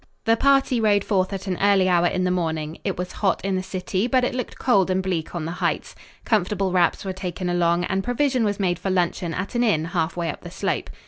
The party rode forth at an early hour in the morning. It was hot in the city, but it looked cold and bleak on the heights. Comfortable wraps were taken along, and provision was made for luncheon at an inn half way up the slope.